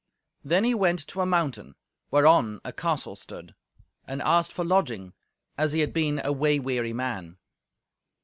Then he went to a mountain, whereon a castle stood, and asked for lodging, as he had been a way weary man.